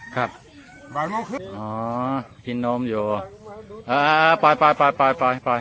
ครับคับกินนม้ออ่าไปไปไปไปไปไป